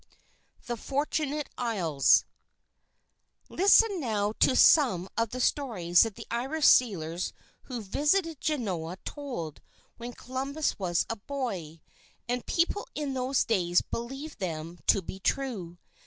THE FORTUNATE ISLES Listen now to some of the stories that the Irish sailors who visited Genoa, told when Columbus was a boy. And people in those days, believed them to be true.